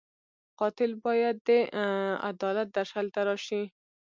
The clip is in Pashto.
قاتل باید د عدالت درشل ته راشي